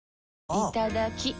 いただきっ！